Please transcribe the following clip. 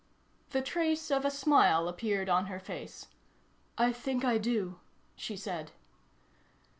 The trace of a smile appeared on her face. "I think I do," she said.